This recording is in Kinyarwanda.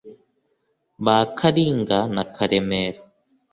Ba Karinga na Karemera*.